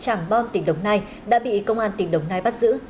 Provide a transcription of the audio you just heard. tràng bom tỉnh đồng nai đã bị công an tỉnh đồng nai bắt giữ